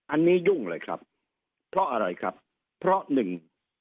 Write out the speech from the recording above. อันนี้ยุ่งเลยครับเพราะอะไรครับเพราะหนึ่ง